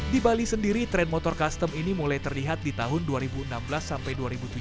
di bali sendiri tren motor custom ini mulai terlihat di tahun dua ribu enam belas sampai dua ribu tujuh belas